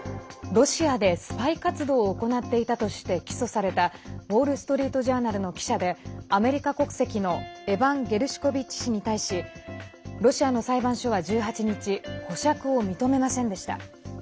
ロシアで、スパイ活動を行っていたとして起訴されたウォール・ストリート・ジャーナルの記者でアメリカ国籍のエバン・ゲルシュコビッチ氏に対しロシアの裁判所は１８日保釈を認めませんでした。